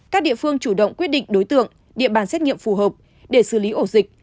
các địa phương chủ động quyết định đối tượng địa bàn xét nghiệm phù hợp để xử lý ổ dịch